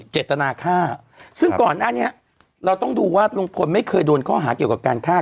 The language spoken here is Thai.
เจตนาฆ่าซึ่งก่อนหน้านี้เราต้องดูว่าลุงพลไม่เคยโดนข้อหาเกี่ยวกับการฆ่า